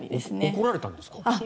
怒られたんですか？